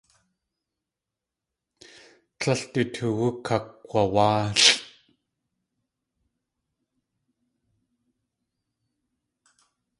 Tlél du toowú kakg̲wawáalʼ.